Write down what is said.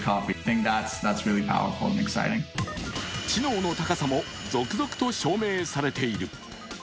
知能の高さも続々と証明されている。